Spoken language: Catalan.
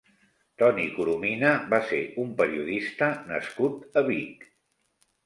Toni Coromina va ser un periodista nascut a Vic.